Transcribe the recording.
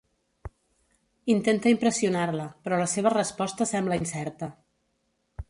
Intenta impressionar-la, però la seva resposta sembla incerta.